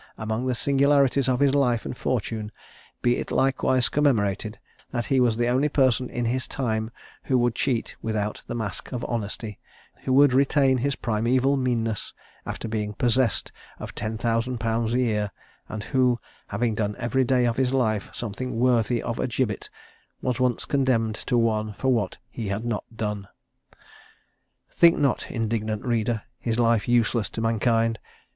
AMONG THE SINGULARITIES OF HIS LIFE AND FORTUNE, BE IT LIKEWISE COMMEMORATED, THAT HE WAS THE ONLY PERSON IN HIS TIME WHO WOULD CHEAT WITHOUT THE MASK OF HONESTY; WHO WOULD RETAIN HIS PRIMEVAL MEANNESS, AFTER BEING POSSESSED OF 10,000 POUNDS A YEAR; AND WHO, HAVING DONE EVERY DAY OF HIS LIFE SOMETHING WORTHY OF A GIBBET, WAS ONCE CONDEMNED TO ONE FOR WHAT HE HAD NOT DONE. THINK NOT, INDIGNANT READER, HIS LIFE USELESS TO MANKIND.